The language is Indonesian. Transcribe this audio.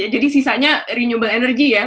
jadi sisanya renewable energy